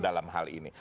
dalam hal ini